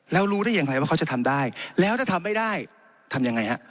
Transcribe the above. แล้วรู้ได้อย่างไรว่าเขาจะทำได้แล้วถ้าทำไม่ได้ทำยังไงฮะ